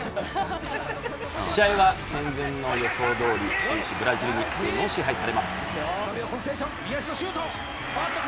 試合は戦前の予想通り、終始ブラジルにゲームを支配されます。